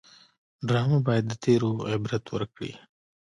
ډرامه باید د تېرو عبرت ورکړي